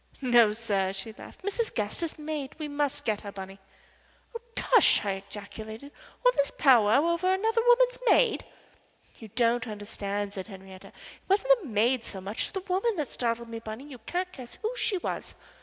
"No, sir," she laughed. "Mrs. Gaster's maid. We must get her, Bunny." "Oh, tush!" I ejaculated. "All this powwow over another woman's maid!" "You don't understand," said Henriette. "It wasn't the maid so much as the woman that startled me, Bunny. You can't guess who she was."